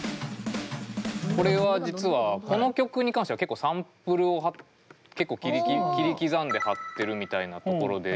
これは実はこの曲に関しては結構サンプルを結構切り刻んで貼ってるみたいなところで。